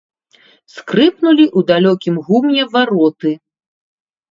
Скрыпнулі ў далёкім гумне вароты.